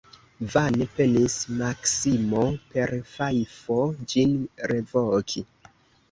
Vane penis Maksimo per fajfo ĝin revoki.